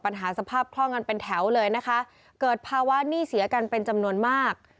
สภาพคล่องกันเป็นแถวเลยนะคะเกิดภาวะหนี้เสียกันเป็นจำนวนมาก